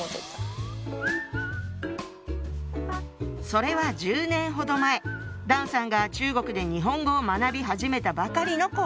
それは１０年ほど前段さんが中国で日本語を学び始めたばかりの頃。